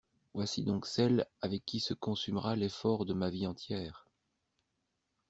Voilà donc celle avec qui se consumera l'effort de ma vie entière.